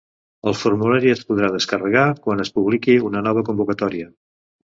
El formulari es podrà descarregar quan es publiqui una nova convocatòria.